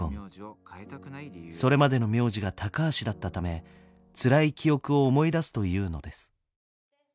それまでの名字が高橋だったためつらい記憶を思い出すというのです。